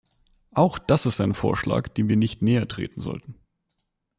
Auch das ist ein Vorschlag, dem wir nicht näher treten sollten.